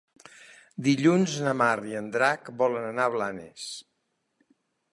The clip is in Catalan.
Dilluns na Mar i en Drac volen anar a Blanes.